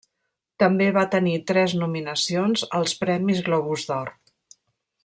També va tenir tres nominacions als premis Globus d'Or.